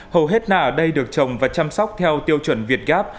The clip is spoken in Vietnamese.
hầu hết nạ ở đây được trồng và chăm sóc theo tiêu chuẩn việt gáp